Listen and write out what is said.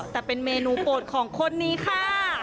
แต่เป็นเมนูโปรดของคนนี้ค่ะ